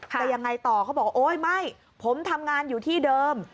แต่ยังไงต่อเขาบอกโอ๊ยไม่ผมทำงานอยู่ที่เดิม